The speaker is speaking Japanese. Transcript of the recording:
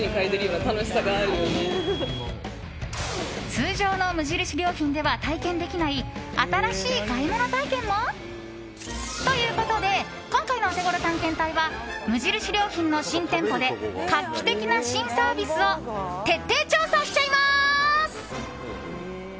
通常の無印良品では体験できない新しい買い物体験も？ということで今回のオテゴロ探検隊は無印良品の新店舗で画期的な新サービスを徹底調査しちゃいます！